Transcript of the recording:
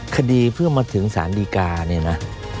คดีเพื่อมาถึงสารดีกาเนี่ยนะ